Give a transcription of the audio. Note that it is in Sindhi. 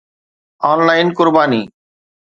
آن لائن قرباني